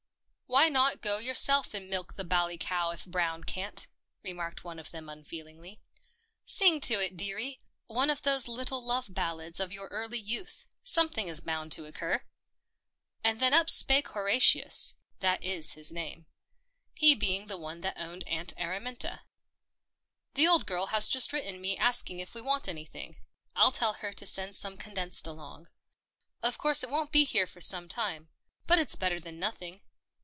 " Why not go yourself and milk the bally cow if Brown can't ?" remarked one of them unfeelingly. " Sing to it, dearie — one of those little love ballads of your early youth. Something is bound to occur." And then up spake Horatius — it is his name — he being the one that owned Aunt Araminta. " The old girl has just written me asking me if we want anything. I'll tell her to send some condensed along. Of course it won't be here for some time — but it's better than nothing."